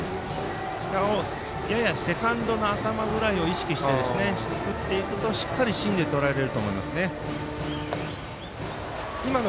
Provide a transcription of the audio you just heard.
そちらをセカンドの頭ぐらいを意識して打っていくとしっかり芯でとらえられると思います。